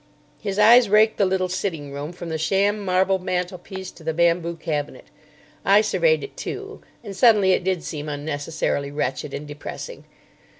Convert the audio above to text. His eyes raked the little sitting room from the sham marble mantelpiece to the bamboo cabinet. I surveyed it, too, and suddenly it did seem unnecessarily wretched and depressing.